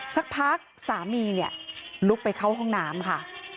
สักพักสามีเนี่ยลุกไปเข้าห้องน้ำค่ะ